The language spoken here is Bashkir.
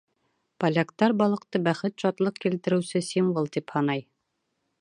Поляктар балыҡты бәхет-шатлыҡ килтереүсе символ тип һанай.